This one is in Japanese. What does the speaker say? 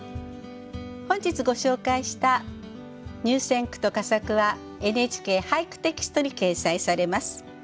本日ご紹介した入選句と佳作は「ＮＨＫ俳句テキスト」に掲載されます。